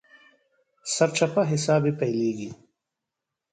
سرچپه حساب يې پيلېږي.